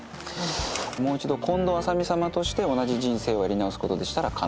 もう一度近藤麻美様として同じ人生をやり直すことでしたら可能。